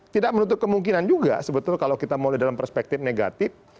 tidak menutup kemungkinan juga sebetulnya kalau kita mulai dalam perspektif negatif